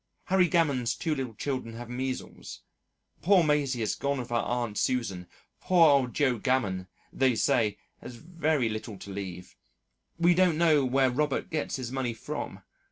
Harry Gammon's 2 little children have measles, poor Maisie has gone with her Aunt Susan, poor old Joe Gammon they say had very little to leave, we don't know where Robert gets his money from.